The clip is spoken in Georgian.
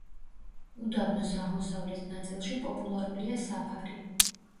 უდაბნოს აღმოსავლეთ ნაწილში პოპულარულია საფარი.